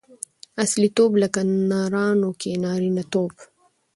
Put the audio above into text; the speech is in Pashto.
اصیلتوب؛ لکه نرانو کښي نارينه توب.